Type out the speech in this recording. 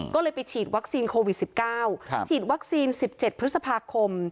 ก็เลยไปฉีดวัคซีนโควิด๑๙ฉีดวัคซีน๑๗พฤษภาคม